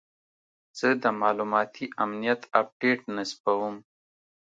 زه د معلوماتي امنیت اپډیټ نصبوم.